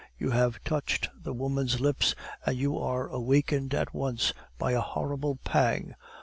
You have touched the woman's lips, and you are awakened at once by a horrible pang.